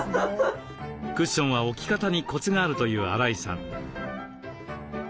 クッションは置き方にコツがあるという荒井さん。